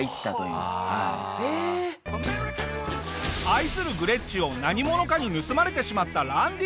愛するグレッチを何者かに盗まれてしまったランディさん。